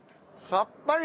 さっぱり。